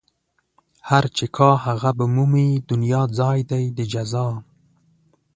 هر چې کا هغه به مومي دنيا ځای دئ د جزا